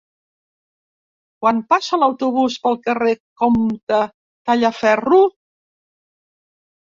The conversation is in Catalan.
Quan passa l'autobús pel carrer Comte Tallaferro?